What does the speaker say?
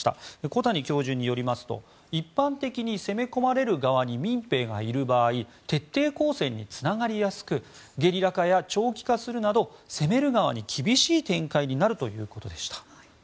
小谷教授によりますと一般的に攻め込まれる側に民兵がいる場合徹底抗戦につながりやすくゲリラ化や長期化するなど攻める側に厳しい展開になるということでした。